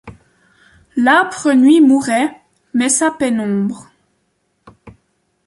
L’âpre nuit mourait, mais sa pénombre